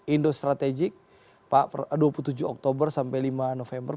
indo strategik dua puluh tujuh oktober sampai lima november